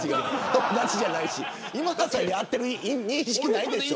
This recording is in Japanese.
友達じゃないし今田さん会ってる認識ないでしょ。